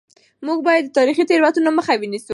موږ باید د تاریخي تېروتنو مخه ونیسو.